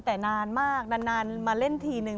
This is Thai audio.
แต่นานมากนานมาเล่นทีนึง